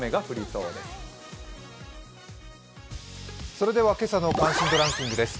それでは今朝の関心度ランキングです。